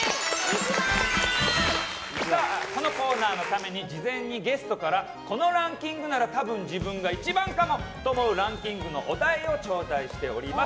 このコーナーのために事前にゲストからこのランキングならたぶん自分が１番かもと思うランキングのお題を頂戴しております。